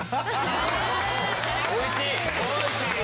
「おいしい！」。